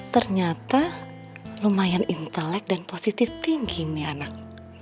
ternyata lumayan intelek dan positif tinggi ini anak